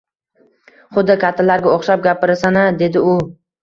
Xuddi kattalarga o‘xshab gapirasan-a! — dedi u.